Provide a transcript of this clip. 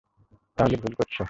তাহলে ভুল করছ!